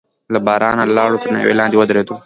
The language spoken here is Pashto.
له بارانه لاړو، تر ناوې لاندې ودرېدو.